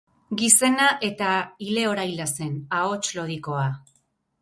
Gizena eta ile-horaila zen, ahots lodikoa.